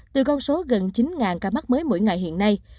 từ con số gần chín ca mắc mới mỗi ngày hiện nay